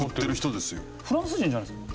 フランス人じゃないですか？